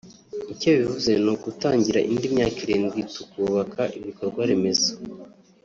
icyo bivuze ni ugutangira indi myaka irindwi tukubaka ibikorwa remezo